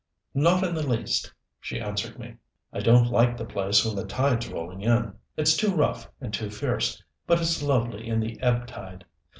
"Not in the least," she answered me. "I don't like the place when the tide's rolling in it's too rough and too fierce but it's lovely in the ebb tide!